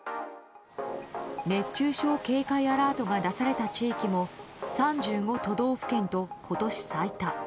熱中症警戒アラートが出された地域も３５都道府県と今年最多。